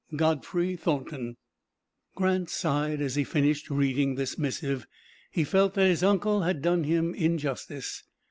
GODFREY THORNTON." Grant sighed as he finished reading this missive. He felt that his uncle had done him injustice.